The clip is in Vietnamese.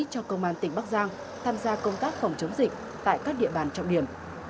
cho công an tỉnh bắc giang tham gia công tác phòng chống dịch tại các địa bàn trọng điểm